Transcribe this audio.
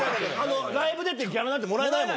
ライブ出てギャラなんてもらえないもんね。